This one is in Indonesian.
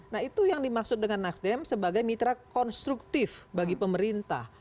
nah itu yang dimaksud dengan nasdem sebagai mitra konstruktif bagi pemerintah